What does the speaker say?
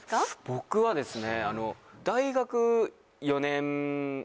僕はですね。